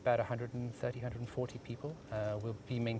kita akan mempertahankan